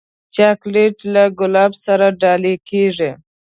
چاکلېټ له ګلاب سره ډالۍ کېږي.